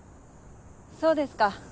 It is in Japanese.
そうですか。